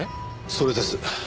それです。